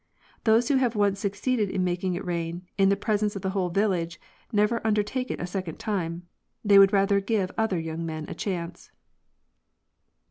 Those who have once succeeded in making it rain, in the presence of the whole village, never undertake it a second time. They would rather give. other young men a chance.